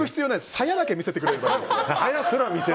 さやだけ見せてくれれば。